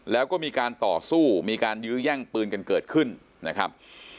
แล้วก็มีการต่อสู้มีการยื้อแย่งปืนกันเกิดขึ้นนะครับ